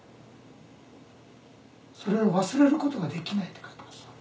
「それを忘れることができない」って書いてますわ。